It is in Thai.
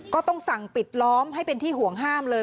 ก็ต้องสั่งปิดล้อมให้เป็นที่ห่วงห้ามเลย